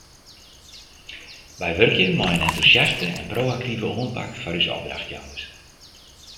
Wy wurkje mei in entûsjaste en pro-aktive oanpak foar ús opdrachtjouwers.